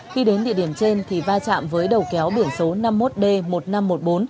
khi đến địa điểm trên thì va chạm với đầu kéo biển số năm mươi một d một nghìn năm trăm một mươi bốn